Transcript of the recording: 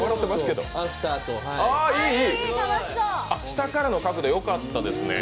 下からの角度よかったですね。